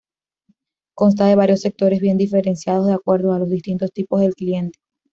Consta de varios sectores bien diferenciados, de acuerdo a los distintos tipos de cliente.